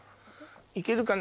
いけるかな？